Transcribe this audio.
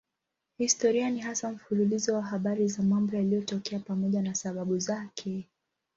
Historia ni hasa mfululizo wa habari za mambo yaliyotokea pamoja na sababu zake.